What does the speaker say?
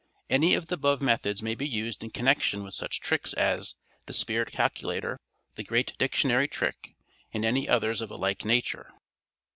Any of the above methods may be used in connection with such tricks as "The Spirit Calculator," "The Great Dictionary Trick," and any others of a like nature.